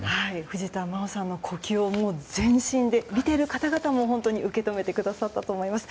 藤田真央さんの呼吸を全身で見ている方々も本当に受け止めてくださったと思います。